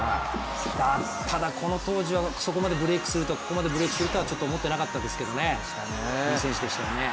ただ、この当時はここまでブレークするとは思ってなかったですけど、いい選手でしたよね。